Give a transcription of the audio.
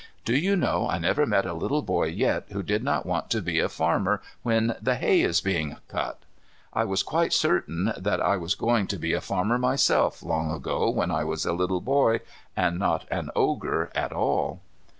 Do you know I never met a little boy yet, who did not want to be a farmer when the hay is being cut? I was quite certain that I was going to be a farmer myself, long ago when I was a little boy, and not an Ogre at all.